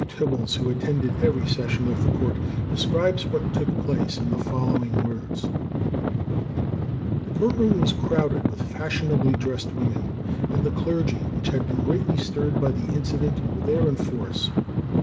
Tibbles, who attended every session of the court, describes what took place, in the following words: "The court room was crowded with fashionably dressed women; and the clergy, which had been greatly stirred by the incident, were there in force.